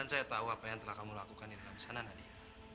dan saya tahu apa yang telah kamu lakukan di dalam sana nadia